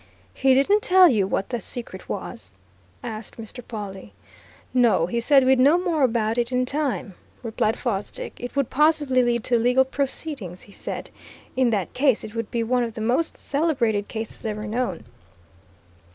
"He didn't tell you what the secret was?" asked Mr. Pawle. "No. He said we'd know more about it in time," replied Fosdick. "It would possibly lead to legal proceedings, he said in that case, it would be one of the most celebrated cases ever known."